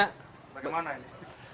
laptopnya bagaimana ini